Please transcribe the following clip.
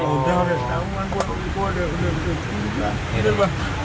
udah udah udah